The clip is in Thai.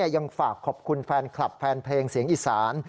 ยังฝากขอบคุณแฟนคลับแฟนเพลงเสียงอีสาน